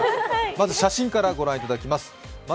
まず写真からご覧いただきます。